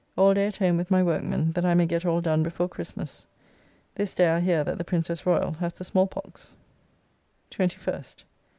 All day at home with my workmen, that I may get all done before Christmas. This day I hear that the Princess Royal has the small pox. 21st.